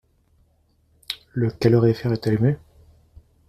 Le calorifère est allumé ?